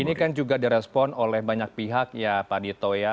ini kan juga direspon oleh banyak pihak ya pak dito ya